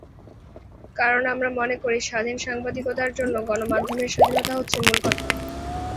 কারণ, আমরা মনে করি, স্বাধীন সাংবাদিকতার জন্য গণমাধ্যমের স্বাধীনতা হচ্ছে মূল কথা।